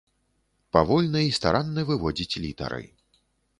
Павольна і старанна выводзіць літары.